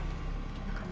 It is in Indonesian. dia akan menangkap